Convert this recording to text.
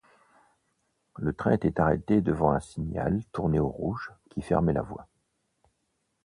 Le train était arrêté devant un signal tourné au rouge qui fermait la voie.